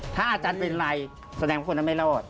ถ้าอาจารย์เป็นไรแสดงว่าคนนั้นไม่รอด